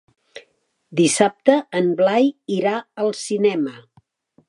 Dissabte en Blai irà al cinema.